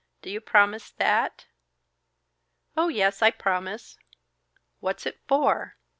Do you promise that?" "Oh, yes! I promise. What's it for?"